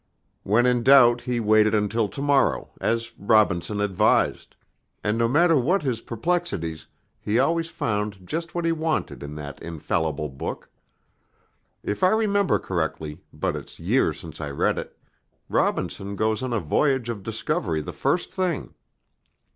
When in doubt he waited until to morrow, as Robinson advised; and no matter what his perplexities, he always found just what he wanted in that infallible book. If I remember correctly, but it's years since I read it, Robinson goes on a voyage of discovery the first thing."